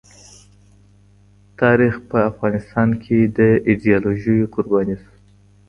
تاریخ په افغانستان کي د ایډیالوژیو قرباني سو.